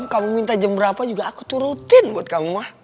kamu minta jam berapa juga aku turutin buat kamu mah